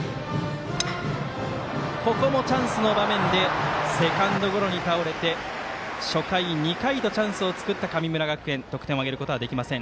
ここもチャンスの場面でセカンドゴロに倒れて初回、２回とチャンスを作った神村学園得点を挙げることはできません。